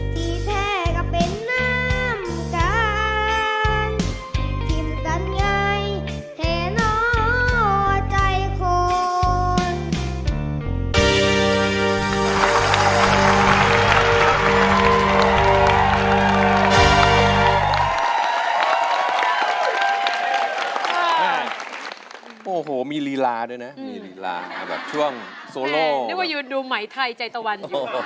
ที่แพ้ก็เป็นน้ำจานพิมพ์ตัดไงแห่งรอใจคน